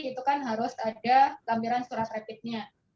itu kan harus ada lampiran surat rapidnya